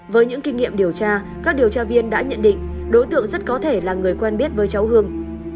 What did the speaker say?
với những kinh nghiệm điều tra các điều tra viên đã nhận định đối tượng rất có thể là người quen biết với cháu hương